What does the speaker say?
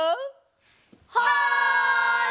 はい！